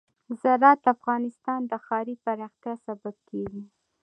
زراعت د افغانستان د ښاري پراختیا سبب کېږي.